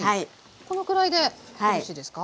このくらいでよろしいですか？